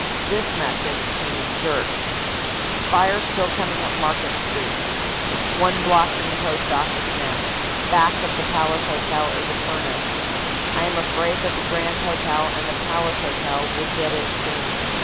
This message came in jerks: "Fire still coming up Market Street. It's one block from the Post Office now; back of the Palace Hotel is a furnace. I am afraid that the Grand Hotel and the Palace Hotel will get it soon.